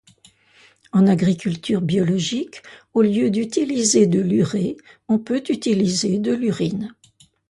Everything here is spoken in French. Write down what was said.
En agriculture biologique, au lieu d'utiliser de l'urée, on peut utiliser de l'urine.